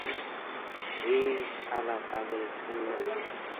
এই শালা পাগল শুনবে না।